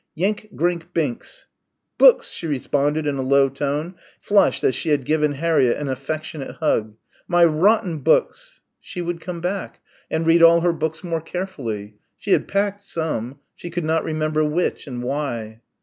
"Yink grink binks." "Books!" she responded in a low tone, and flushed as if she had given Harriett an affectionate hug. "My rotten books...." She would come back, and read all her books more carefully. She had packed some. She could not remember which and why.